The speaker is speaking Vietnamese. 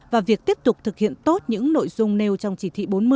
và việc tiếp tục thực hiện tốt những nội dung nêu trong chỉ thị bốn mươi